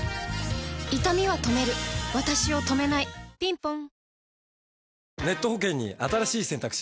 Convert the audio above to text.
いたみは止めるわたしを止めないぴんぽん